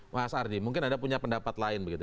mas ardi mungkin ada punya pendapat lain begitu ya